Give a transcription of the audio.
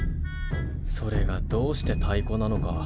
それがどうしてたいこなのか。